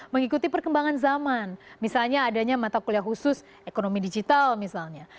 mengikuti perkembangan zaman misalnya adanya mata kuliah khusus ekonomi digital misalnya